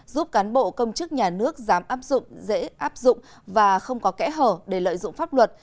giúp cán bộ công chức nhà nước dám áp dụng dễ áp dụng và không có kẽ hở để lợi dụng pháp luật